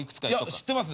知ってます。